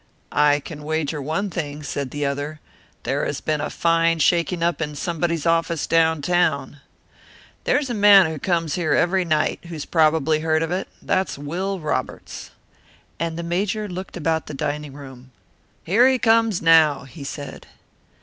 "I can wager one thing," said the other. "There has been a fine shaking up in somebody's office down town! There's a man who comes here every night, who's probably heard of it. That's Will Roberts." And the Major looked about the dining room. "Here he comes now," he said.